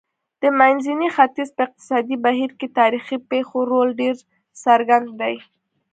د منځني ختیځ په اقتصادي بهیر کې تاریخي پېښو رول ډېر څرګند دی.